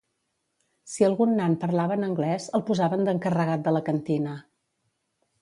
Si algun nan parlava en anglès el posaven d'encarregat de la cantina.